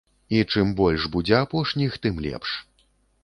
І чым больш будзе апошніх, тым лепш.